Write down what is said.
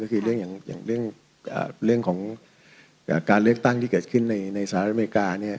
ก็คือเรื่องเรื่องของการเลือกตั้งที่เกิดขึ้นในสหรัฐอเมริกา